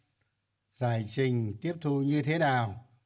để xem các tiểu ban giải trình tiếp thu như thế nào